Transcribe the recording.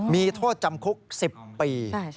มีโทษจำคุก๑๐ปี